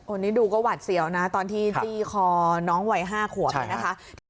อันนี้ดูก็หวัดเสียวนะตอนที่จี้คอน้องวัย๕ขวบเนี่ยนะคะ